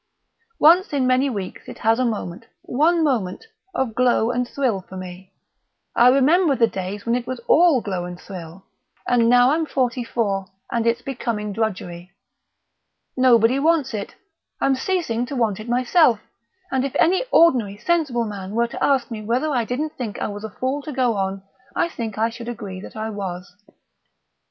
Once in many weeks it has a moment, one moment, of glow and thrill for me; I remember the days when it was all glow and thrill; and now I'm forty four, and it's becoming drudgery. Nobody wants it; I'm ceasing to want it myself; and if any ordinary sensible man were to ask me whether I didn't think I was a fool to go on, I think I should agree that I was."